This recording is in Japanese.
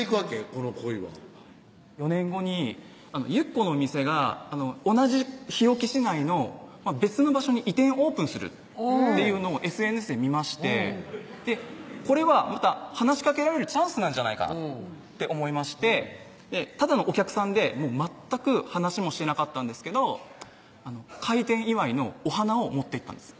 この恋は４年後にゆっこのお店が同じ日置市内の別の場所に移転オープンするっていうのをＳＮＳで見ましてこれはまた話しかけられるチャンスなんじゃないかと思いましてただのお客さんで全く話もしてなかったんですけど開店祝いのお花を持っていったんです